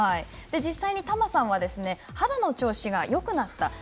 実際に、たまさんは肌の調子がよくなった。